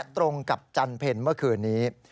ตรงกับจันเพ็ญเมื่อคืนนี้